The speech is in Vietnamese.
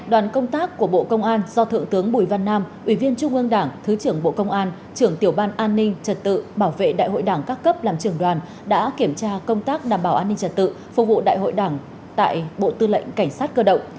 đoàn công tác của bộ công an do thượng tướng bùi văn nam ủy viên trung ương đảng thứ trưởng bộ công an trưởng tiểu ban an ninh trật tự bảo vệ đại hội đảng các cấp làm trưởng đoàn đã kiểm tra công tác đảm bảo an ninh trật tự phục vụ đại hội đảng tại bộ tư lệnh cảnh sát cơ động